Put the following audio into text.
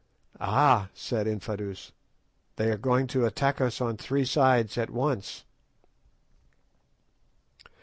"Ah," said Infadoos, "they are going to attack us on three sides at once."